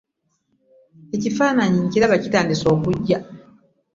Ekifaananyi nkiraba kitandise okujja.